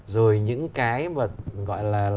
rồi những cái gọi là